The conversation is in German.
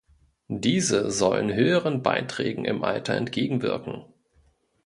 Diese sollen höheren Beiträgen im Alter entgegenwirken.